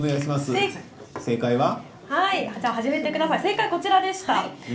正解は、こちらでした。